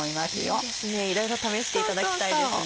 いいですねいろいろ試していただきたいですね。